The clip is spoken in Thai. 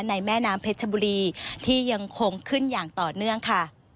แม่น้ำเพชรชบุรีที่ยังคงขึ้นอย่างต่อเนื่องค่ะ